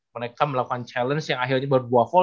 mereka melakukan challenge yang akhirnya berdua fall